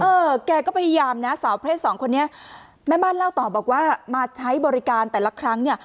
เออแกก็พยายามนะสาวเพศสองคนนี้แม่บ้านเล่าต่อบอกว่ามาใช้บริการแต่ละครั้งเนี่ย